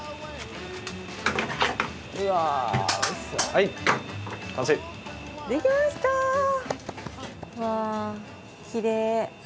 わきれい。